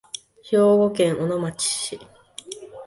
兵庫県小野市